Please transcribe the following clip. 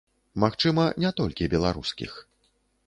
Магчыма, не толькі беларускіх.